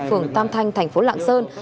phường tam thanh thành phố lạng sơn